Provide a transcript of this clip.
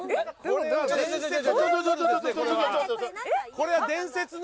これは伝説の。